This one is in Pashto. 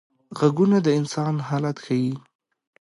غږونه د انسان حالت ښيي